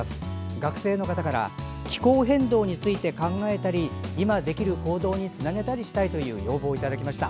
学生の方から気候変動について考えたり今できる行動につなげたいという要望をいただきました。